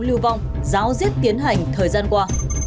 lưu vong giáo riết tiến hành thời gian qua